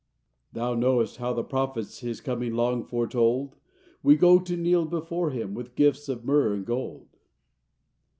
Thou knowest how the prophets His coming long foretold; We go to kneel before Him With gifts of myrrh and gold.